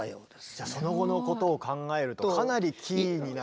じゃあその後のことを考えるとかなりキーになった方。